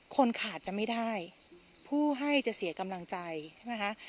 คนขาดจะไม่ได้ผู้ให้จะเสียกำลังใจใช่ไหมคะ